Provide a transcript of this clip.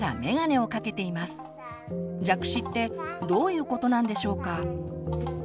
「弱視」ってどういうことなんでしょうか。